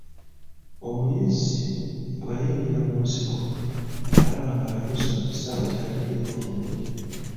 Omuyizzi bw'ayingira mu nsiko alaba ng'atuuse mu kisaawe ky'ategeera obulungi